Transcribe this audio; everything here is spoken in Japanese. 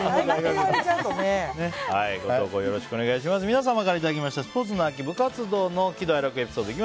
皆様からいただいたスポーツの秋・部活動の喜怒哀楽エピソード。